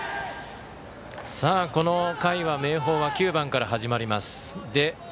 この回は明豊は９番から始まります。